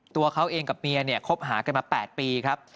ตัวเขาเองกับเมียเนี่ยคบหากันมา๘ปีครับ